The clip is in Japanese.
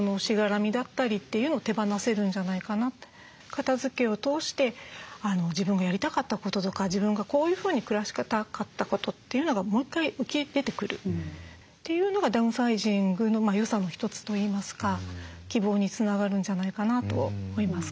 片づけを通して自分がやりたかったこととか自分がこういうふうに暮らしたかったことというのがもう一回浮き出てくるというのがダウンサイジングの良さの一つといいますか希望につながるんじゃないかなと思いますけど。